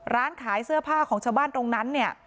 ร้านขายเสื้อผ้าของชาวบ้านตรงนั้นเนี่ย